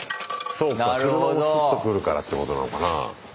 そうか車もスッと来るからってことなのかな。